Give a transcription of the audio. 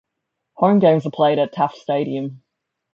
Home games are played at Taft Stadium.